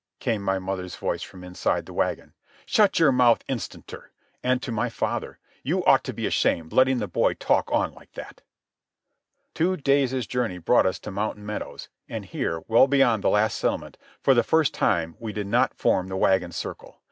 came my mother's voice from inside the wagon. "Shut your mouth instanter." And to my father: "You ought to be ashamed letting the boy talk on like that." Two days' journey brought us to Mountain Meadows, and here, well beyond the last settlement, for the first time we did not form the wagon circle.